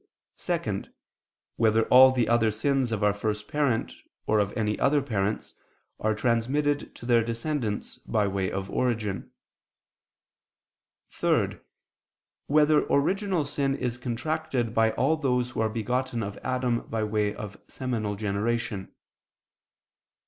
(2) Whether all the other sins of our first parent, or of any other parents, are transmitted to their descendants, by way of origin? (3) Whether original sin is contracted by all those who are begotten of Adam by way of seminal generation?